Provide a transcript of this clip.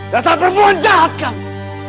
dasar perempuan jahat kamu